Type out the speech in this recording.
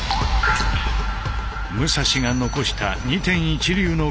武蔵が残した二天一流の極意。